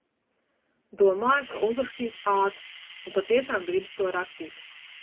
Domāju, ka uzrakstītu ātri. Un patiešām gribas to rakstīt.